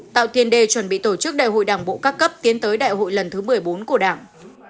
tạo tiền đề chuẩn bị tổ chức đại hội đảng bộ các cấp tiến tới đại hội lần thứ một mươi bốn của đảng